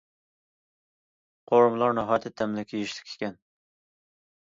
قورۇمىلار ناھايىتى تەملىك، يېيىشلىك ئىكەن.